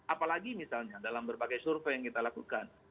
apalagi misalnya dalam berbagai survei yang kita lakukan